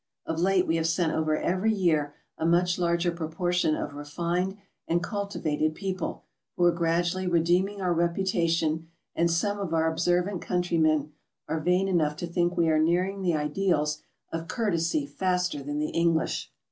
Of late we have sent over every year a much larger proportion of re fined and cultivated people, who are gradually redeeming our reputation, and some of our observant countrymen are vain enough to think we are nearing the ideals of courtesy faster than the English.